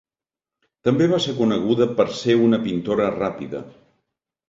També va ser coneguda per ser una pintora ràpida.